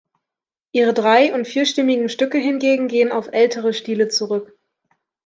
Ihre drei- und vierstimmigen Stücke hingegen gehen auf ältere Stile zurück.